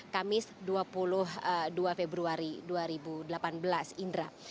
kamis dua puluh dua februari dua ribu delapan belas indra